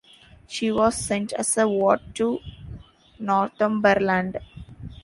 She was sent as a ward to Northumberland.